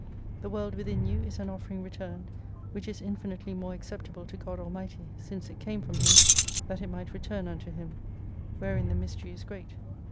The world within you is an offering returned, which is infinitely more acceptable to God Almighty, since it came from Him, that it might return unto Him. Wherein the mystery is great.